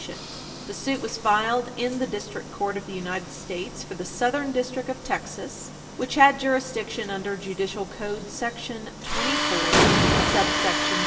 [Footnote 3] The suit was filed in the District Court of the United States for the Southern District of Texas, which had jurisdiction under Judicial Code § 24, subsection 14.